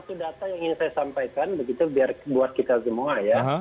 satu data yang ingin saya sampaikan begitu buat kita semua ya